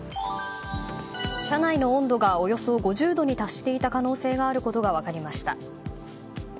車内の温度がおよそ５０度に達していた可能性があることが分かりました。